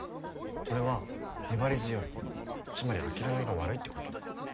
俺は粘り強いつまり諦めが悪いってこと？